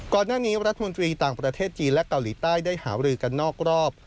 ก่อนหน้านี้รัฐมนตรีต่างประเทศจีนและเกาหลีใต้ได้หารือกันนอกรอบ